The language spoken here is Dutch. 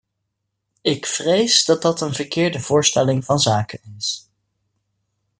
Ik vrees dat dat een verkeerde voorstelling van zaken is.